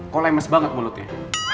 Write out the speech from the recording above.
kok lemes banget mulutnya